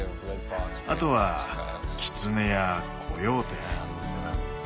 あとはキツネやコヨーテ。